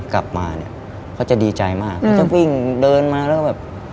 กลับมาเนี่ยเขาจะดีใจมากเขาจะวิ่งเดินมาแล้วก็แบบ